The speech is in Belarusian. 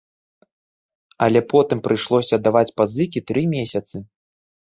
Але потым прыйшлося аддаваць пазыкі тры месяцы.